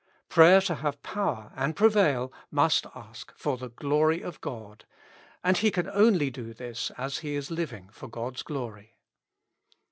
Prayer to have power and prevail must ask for the glory of God ; and he can only do this as he is living for God's glory.